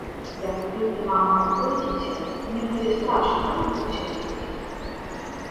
Як ты і мамка пойдзеце, мне будзе страшна адной тут сядзець.